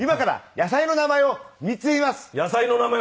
野菜の名前を３つ言うのね。